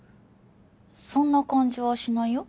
そんな感じはしないよ？